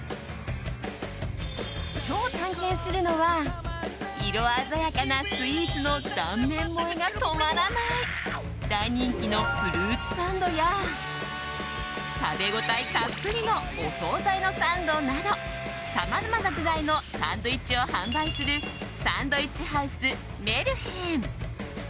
今日探検するのは色鮮やかなスイーツの断面萌えが止まらない大人気のフルーツサンドや食べ応えたっぷりのお総菜のサンドなどさまざまな具材のサンドイッチを販売するサンドイッチハウスメルヘン。